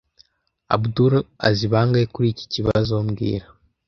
Abdul azi bangahe kuri iki kibazo mbwira